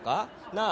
なあ？